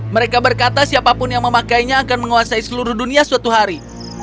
mereka berkata siapapun yang memakainya akan menguasai seluruh dunia suatu hari